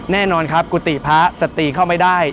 แน่นอนครับกุฏิพระสตรีเข้าไม่ได้